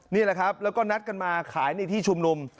นี่แหละครับแล้วก็นัดกันมาขายในที่ชุมนุม